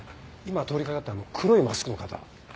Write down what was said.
今通り掛かったあの黒いマスクの方は。